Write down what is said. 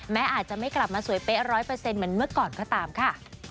อาจจะไม่กลับมาสวยเป๊ะ๑๐๐เหมือนเมื่อก่อนก็ตามค่ะ